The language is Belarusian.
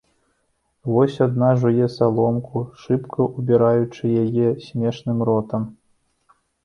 Вось адна жуе саломку, шыбка ўбіраючы яе смешным ротам.